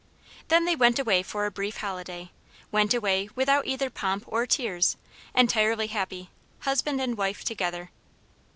They then went away for a brief holiday went away without either pomp or tears, entirely happy husband and wife together.